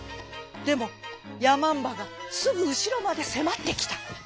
でもやまんばがすぐうしろまでせまってきた。